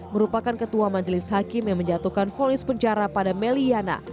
merupakan ketua majelis hakim yang menjatuhkan fonis penjara pada meliana